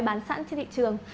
hay bán sẵn trên thị trường